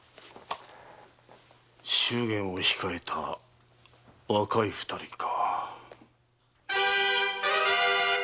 祝言を控えた若い二人か。